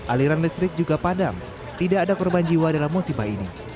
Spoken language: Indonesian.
aliran listrik juga padam tidak ada korban jiwa dalam musibah ini